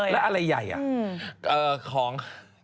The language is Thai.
แล้วอะไรใหญ่อ่ะเออของ